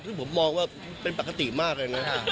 เพราะฉะนั้นผมมองว่าเป็นปกติมากอย่างนั้น